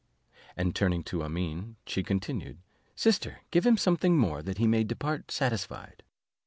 And turning to Amene. she continued, "Sister, give him something more, that he may depart satisfied."